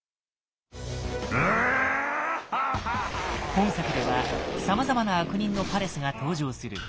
本作ではさまざまな悪人のパレスが登場する。